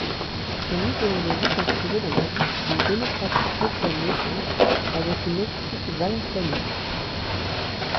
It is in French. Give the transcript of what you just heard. Son idéologie s'inscrivait dans l'orbite d'une démocratie chrétienne naissante, avec une optique valencianiste.